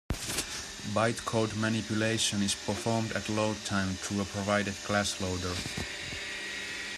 Bytecode manipulation is performed at load-time through a provided class loader.